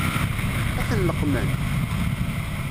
Ad ten-leqqmen?